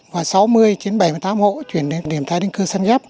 và sáu mươi bảy mươi tám hộ chuyển đến điểm tái định cư sân nháp